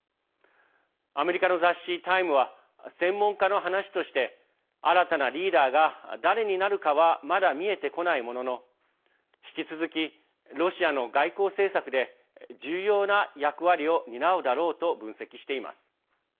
アメリカの雑誌「タイム」は専門家の話として新たなリーダーが誰になるかはまだ見えてこないものの引き続きロシアの外交政策で重要な役割を担うだろうと分析しています。